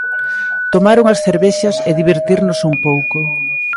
Tomar unhas cervexas e divertirnos un pouco.